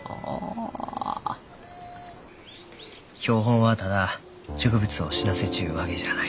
標本はただ植物を死なせちゅうわけじゃない。